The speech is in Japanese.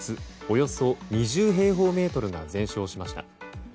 およそ２０平方メートルが全焼しました。